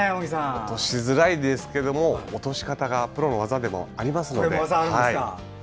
落としづらいですけどプロの技でもありますので。